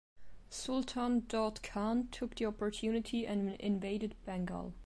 Sultan Daud Khan took the opportunity and invaded Bengal.